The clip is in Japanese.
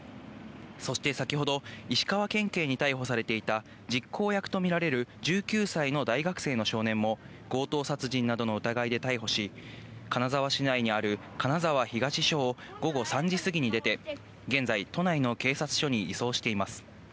そして先ほど、石川県警に逮捕されていた実行役と見られる１９歳の大学生の少年も、強盗殺人などの疑いで逮捕し、金沢市内にある金沢東署を、午後３時過ぎに出て、現在、都内の警察署に移送しています。